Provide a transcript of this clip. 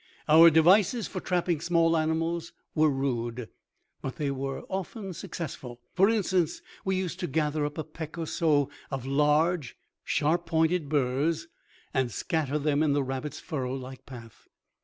Our devices for trapping small animals were rude, but they were often successful. For instance, we used to gather up a peck or so of large, sharp pointed burrs and scatter them in the rabbit's furrow like path.